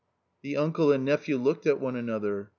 The uncle and nephew looked at one another.